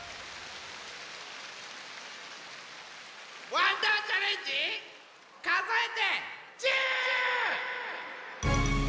「わんだーチャレンジかぞえて１０」！